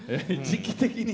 時期的に。